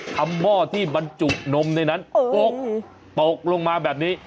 ทำหม้อที่มันจุดนมในนั้นปลกปลกลงมาแบบนี้